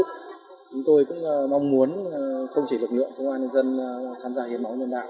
chúng tôi cũng mong muốn không chỉ lực lượng công an nhân dân tham gia hiến máu nhân đạo